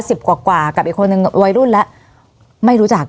สิบกว่ากว่ากับอีกคนนึงวัยรุ่นแล้ว